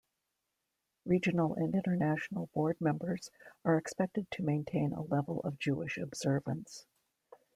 Regional and international board members are expected to maintain a level of Jewish observance.